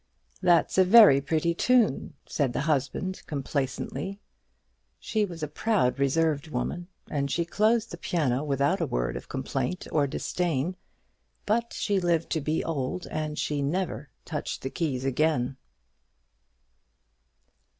"That's a very pretty tune," said the husband, complacently. She was a proud reserved woman, and she closed the piano without a word of complaint or disdain; but she lived to be old, and she never touched the keys again.